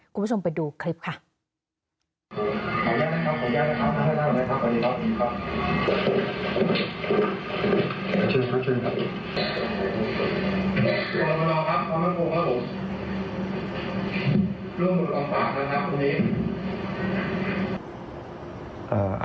คุณผู้ชมไปดูคลิปค่ะ